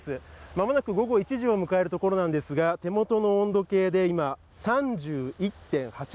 間もなく午後１時を迎えるところなんですが、手元の温度計で今、３１．８度。